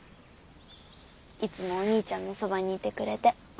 いつもお兄ちゃんのそばにいてくれて。